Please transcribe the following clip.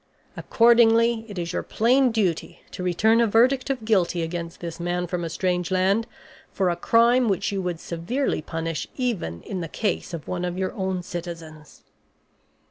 Accordingly, it is your plain duty to return a verdict of guilty against this man from a strange land for a crime which you would severely punish even in the case of one of your own citizens."